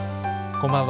こんばんは。